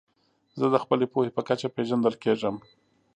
زه د خپلي پوهي په کچه پېژندل کېږم.